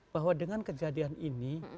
bahwa dengan kejadian ini